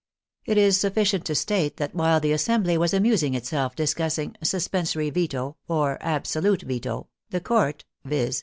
It is sufficient to state that while the assembly was amusing itself discussing '* suspensory veto," or " absolute veto," the Court, viz.